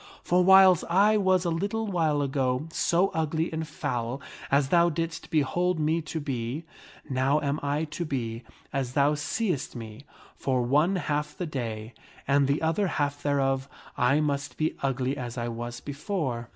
For whiles I was a little while ago so ugly and foul as thou didst behold me to be, now am I to be as thou seest me, for one half the day and the other half thereof I must be ugly as I was before."